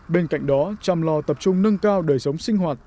bên cạnh đó chăm lo tập trung nâng cao đời sống sinh hoạt